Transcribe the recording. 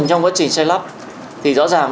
trong quá trình xây lắp thì rõ ràng